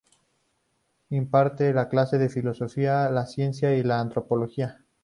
Imparte clases de Filosofía de la Ciencia y de Antropología.